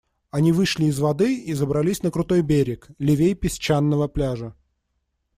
Они вышли из воды и забрались на крутой берег, левей песчаного пляжа.